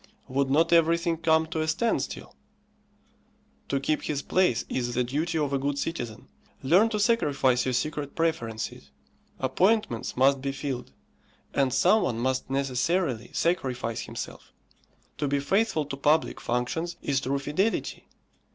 Would not everything come to a standstill? To keep his place is the duty of a good citizen. Learn to sacrifice your secret preferences. Appointments must be filled, and some one must necessarily sacrifice himself. To be faithful to public functions is true fidelity.